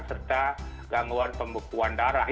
serta gangguan pembekuan darah